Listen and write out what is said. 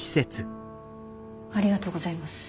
ありがとうございます。